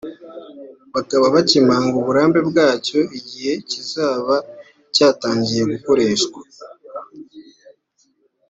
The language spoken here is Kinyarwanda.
bakaba bakemanga uburambe bwacyo igihe kizaba cyatangiye gukoreshwa